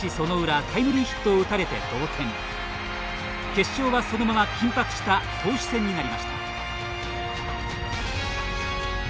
決勝はそのまま緊迫した投手戦になりました。